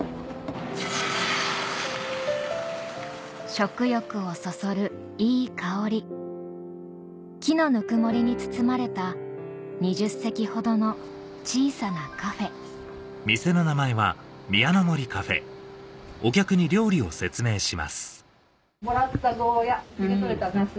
食欲をそそるいい香り木のぬくもりに包まれた２０席ほどの小さなカフェもらったゴーヤー家で採れたナス。